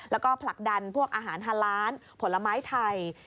แล้วก็ผลักดันพวกอาหารฮาล้านผลไม้ไทย